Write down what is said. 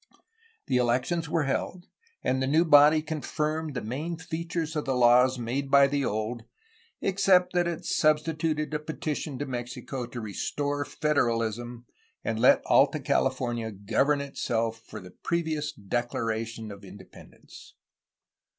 The elections were held, and the new body confirmed the main features of the laws made by the old, except that it substituted a petition to Mexico to restore federalism and let Alta California govern itself for the previous declaration of independence.